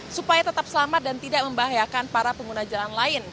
supaya tetap selamat dan tidak membahayakan para pengguna jalan lain